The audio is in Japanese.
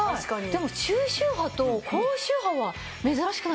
でも中周波と高周波は珍しくないですか？